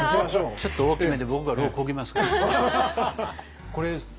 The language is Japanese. ちょっと大きめで僕が櫓をこぎますから。